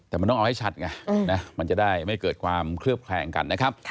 แต่มันต้องเอาให้ชัดไงนะมันจะได้ไม่เกิดความเคลือบแคลงกันนะครับ